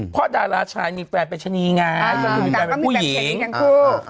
เพราะดาราชายมีแฟนเป็นชนีงานคือนืนแล้วมีแฟนเพลงอย่างผู้